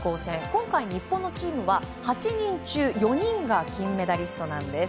今回、日本のチームは８人中４人が金メダリストです。